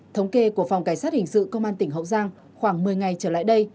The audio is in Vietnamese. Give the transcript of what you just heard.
thống kê của phòng cảnh sát hình sự công an tỉnh hậu giang khoảng một mươi ngày trở lại đây